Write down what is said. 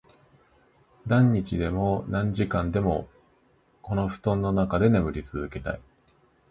何日でも、何時間でも、この布団の中で眠り続けたい。